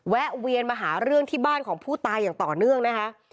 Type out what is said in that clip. แวนมาหาเรื่องที่บ้านของผู้ตายอย่างต่อเนื่องนะคะ